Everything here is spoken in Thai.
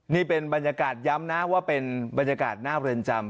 นี่เป็นบรรยากาศย้ำนะว่าเป็นบรรยากาศหน้าเรือนจำ